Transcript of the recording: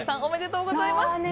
おめでとうございます。